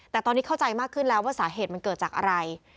แต่ตอนนี้เข้าใจมากขึ้นแล้วว่าสาเหตุมันเกิดจากอะไร